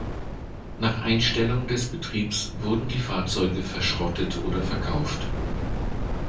Nach Einstellung des Betriebs wurden die Fahrzeuge verschrottet oder verkauft.